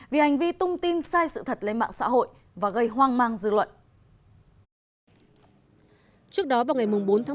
vì hành vi tung tin sai sự thật lên mạng xã hội và gây hoang mang dư luận